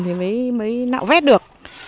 thì mới nạo vét được